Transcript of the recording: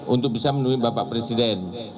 untuk bisa menemui bapak presiden